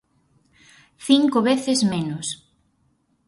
Cinco veces menos.